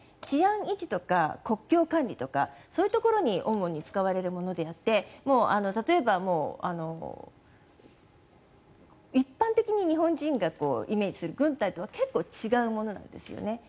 治安維持とか国境管理とかそういうところに主に使われるものであって例えば、一般的に日本人がイメージする軍隊とは結構違うものなんですよね。